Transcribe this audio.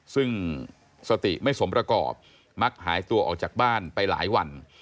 ซึ่งสติไม่สมประกอบมักหายตัวออกจากบ้านไปหลายวัน